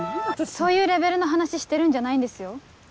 そういうレベルの話してるんじゃないんですよ。